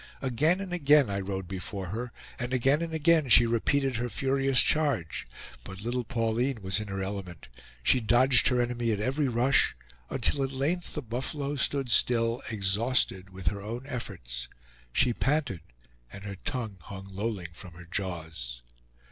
Again and again I rode before her, and again and again she repeated her furious charge. But little Pauline was in her element. She dodged her enemy at every rush, until at length the buffalo stood still, exhausted with her own efforts; she panted, and her tongue hung lolling from her jaws.